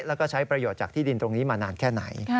แล้วก็ใช้ประโยชน์จากที่ดินตรงนี้มานานแค่ไหน